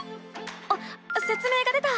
あっせつ明が出た！